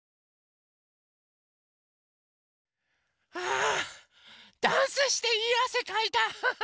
あダンスしていいあせかいた。